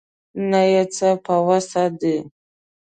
نه یې څه په وسه دي.